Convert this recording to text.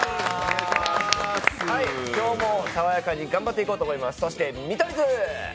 今日も爽やかに頑張っていこうと思います。